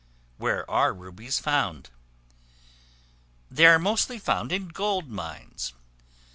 Where are Rubies found? They are mostly found in gold mines.